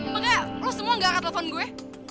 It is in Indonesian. makanya lo semua gak akan telepon gue